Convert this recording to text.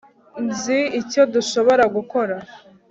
nzi icyo dushobora gukora